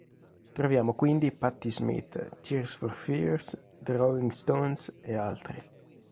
Troviamo quindi Patti Smith, Tears For Fears, The Rolling Stones e altri.